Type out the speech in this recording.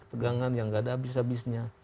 ketegangan yang gak ada abis abisnya